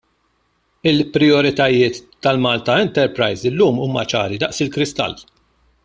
Il-prijoritajiet tal-Malta Enterprise llum huma ċari daqs il-kristall.